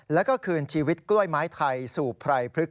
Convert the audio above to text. แล้วก็คืนชีวิตกล้วยไม้ไทยสู่ไพรพฤกษ